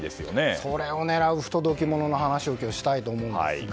それを狙う不届き者の話を今日したいと思うんですが。